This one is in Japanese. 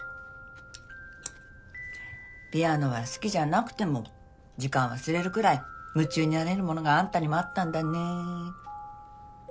ピアノは好きじゃなくても時間忘れるくらい夢中になれるものがあんたにもあったんだね。